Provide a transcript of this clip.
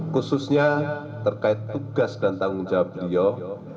khususnya terkait tugas dan tanggung jawab beliau